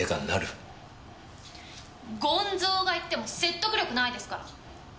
ゴンゾウが言っても説得力ないですから。